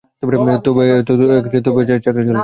তবে চাকরি চলে যাবে।